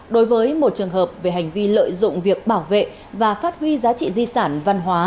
đối với một trường hợp về hành vi lợi dụng việc bảo vệ và phát huy giá trị di sản văn hóa